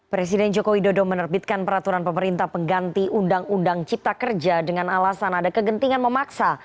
presiden joko widodo menerbitkan peraturan pemerintah pengganti undang undang cipta kerja dengan alasan ada kegentingan memaksa